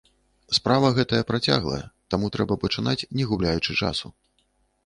Справа гэтая працяглая, таму трэба пачынаць не губляючы часу.